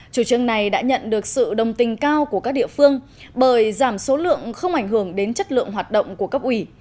chủ trương này đã nhận được sự đồng tình cao của các địa phương bởi giảm số lượng không ảnh hưởng đến chất lượng hoạt động của cấp ủy